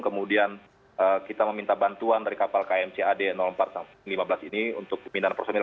kemudian kita meminta bantuan dari kapal kmc ad lima belas ini untuk pindahan personil